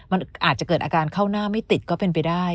มันอาจจะเกิดอาการเข้าหน้าไม่ติดก็เป็นไปได้